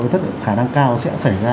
rất khả năng cao sẽ xảy ra